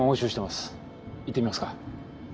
行ってみますか？